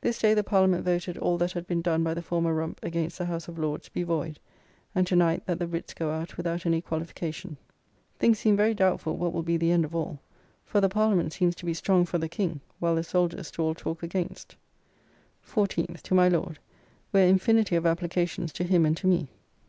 This day the Parliament voted all that had been done by the former Rump against the House of Lords be void, and to night that the writs go out without any qualification. Things seem very doubtful what will be the end of all; for the Parliament seems to be strong for the King, while the soldiers do all talk against. 14th. To my Lord, where infinity of applications to him and to me.